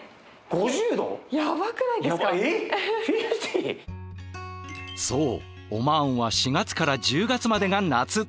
５０．そうオマーンは４月から１０月までが夏！